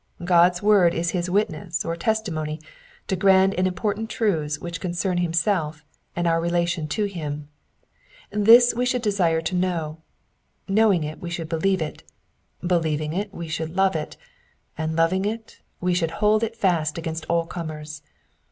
God^s word is his witness or testimony to grand and important truths which concern himself and our relation to him : this we should desire to know ; knowing it, we should believe it ; believing it, we should love it ; and loving it, we should hold it fast against all comers.